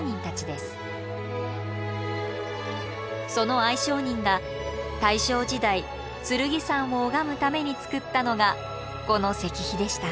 その藍商人が大正時代剣山を拝むために作ったのがこの石碑でした。